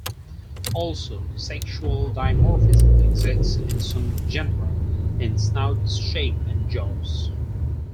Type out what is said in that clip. Also, sexual dimorphism exists in some genera in snout shape and jaws.